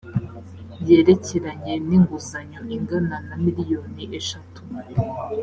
yerekeranye n inguzanyo ingana na miliyoni eshatu